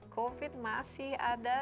covid masih ada